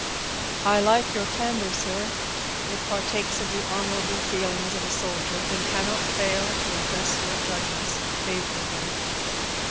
"I like your candor, sir; it partakes of the honorable feelings of a soldier, and cannot fail to impress your judges favorably."